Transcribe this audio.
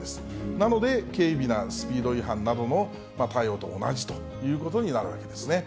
なので、軽微なスピード違反などの対応と同じということになるわけですね。